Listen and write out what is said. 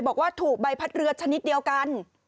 บอกว่าถูกใบพัดเรือชนิดเดียวกัน